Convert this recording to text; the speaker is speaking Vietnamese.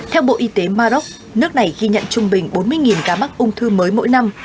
theo bộ y tế maroc nước này ghi nhận trung bình bốn mươi ca mắc ung thư mới mỗi năm